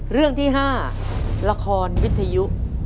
เรื่องที่๕ละครวิทยุ